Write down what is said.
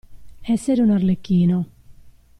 Essere un Arlecchino.